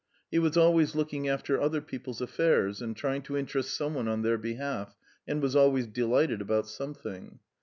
He was always looking after other people's affairs and trying to interest some one on their behalf, and was always delighted about something.